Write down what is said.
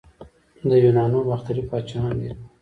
د یونانو باختري پاچاهان ډیر وو